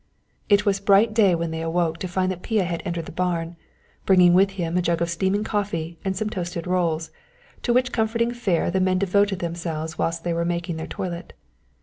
It was bright day when they awoke to find that Pia had entered the barn, bringing with him a jug of steaming coffee and some toasted rolls, to which comforting fare the men devoted themselves whilst they were making their toilet.